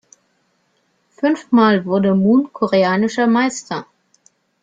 Fünfmal wurde Mun koreanischer Meister.